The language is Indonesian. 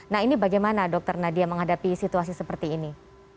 nah ini bagaimana dokter nadia menghadapi situasi seperti ini